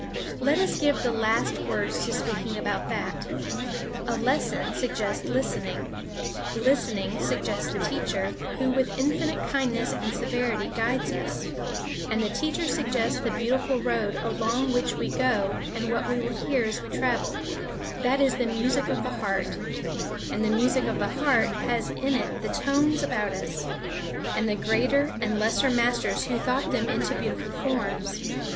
Let us give the last words to speaking about that. A lesson suggests listening; listening suggests the teacher, who with infinite kindness and severity guides us; and the teacher suggests the beautiful road along which we go and what we hear as we travel, that is the music of the heart; and the music of the heart has in it the tones about us, and the greater and lesser masters who thought them into beautiful forms.